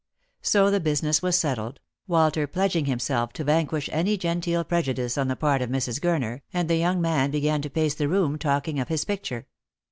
So the business was settled, "Walter pledging himself to van quish any genteel prejudice on the part of Mrs. Gurner, and the young man began to pace the room talking of his picture.